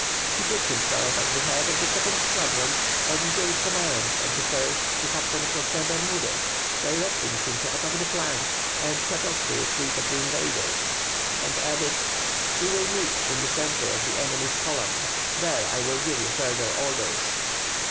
He put himself at the head of the second squadron and gave command of the first to Captain José Bermudez, directing him to attack the flank and cut off the retreat of the invaders, and added: "We will meet in the centre of the enemy's columns; there I will give you further orders."